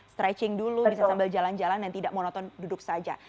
stretching dulu bisa sambil jalan jalan dan tidak monoton duduk saja